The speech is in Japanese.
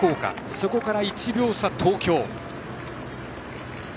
そこから１秒差で東京。